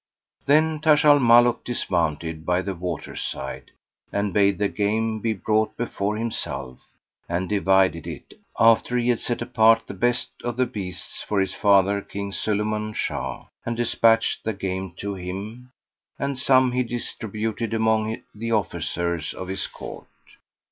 Then Taj al Muluk dismounted by the water side and bade the game be brought before himself, and divided it, after he had set apart the best of the beasts for his father, King Sulayman Shah, and despatched the game to him; and some he distributed among the officers of his court.